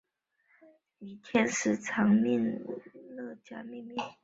以天使长米迦勒命名。